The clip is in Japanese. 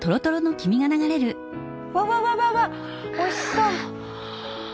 わわわわわっおいしそう！